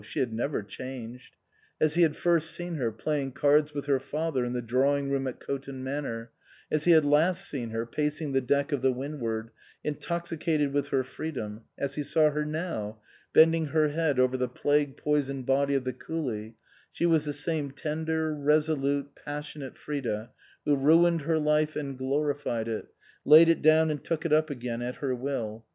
She had never changed. As he had first seen her, playing cards with her father in the drawing room at Coton Manor, as he had last seen her, pacing the deck of the Windivard, intoxicated with her freedom, as he saw her now, bending her head over the plague poisoned body of the coolie, she was the same tender, resolute, passionate Frida, who ruined her life and glorified it, laid it down and took it up again at her will.